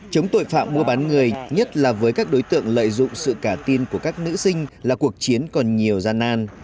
chống tội phạm mua bán người nhất là với các đối tượng lợi dụng sự cả tin của các nữ sinh là cuộc chiến còn nhiều gian nan